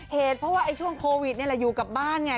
เหตุเพราะว่าช่วงโควิดนี่แหละอยู่กับบ้านไง